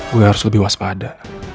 gue harus lebih waspada